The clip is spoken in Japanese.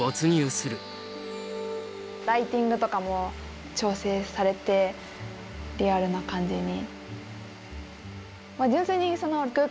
ライティングとかも調整されてリアルな感じに。